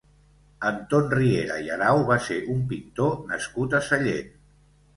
Anton Riera i Arau va ser un pintor nascut a Sallent.